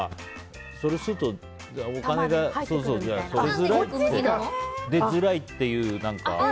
そうするとお金が出づらいっていう。